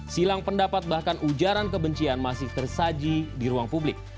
silang pendapat bahkan ujaran kebencian masih tersaji di ruang publik